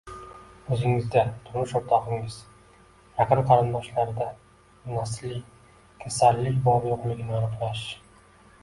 O‘zingizda, turmush o‘rtog‘ingiz yaqin qarindoshlarida nasliy kasallik bor-yo‘qligini aniqlash